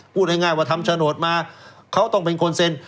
พูดง่ายว่าทำโฉนดมาเขาต้องเป็นคนเซ็น